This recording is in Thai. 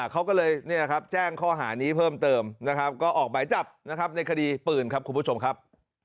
เขาก็เลยแจ้งข้อหานี้เพิ่มเติมก็ออกใบจับในคดีปืนครับคุณผู้ชมครับ